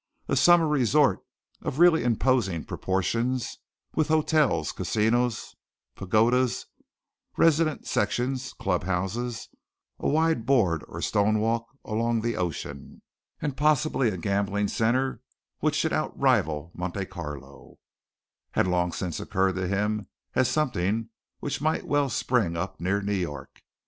A summer resort of really imposing proportions, with hotels, casinos, pagodas, resident sections, club houses, a wide board or stone walk along the ocean, and possibly a gambling center which should outrival Monte Carlo, had long since occurred to him as something which might well spring up near New York.